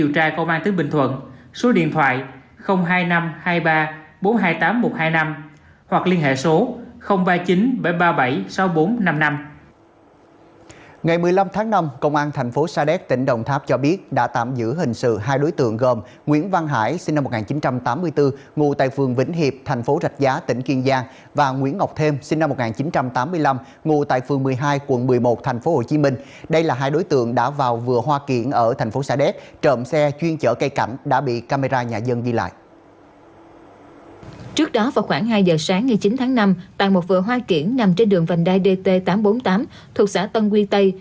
trước đó vào khoảng hai giờ sáng ngày chín tháng năm tại một vựa hoa kiển nằm trên đường vành đai dt tám trăm bốn mươi tám thuộc xã tân quy tây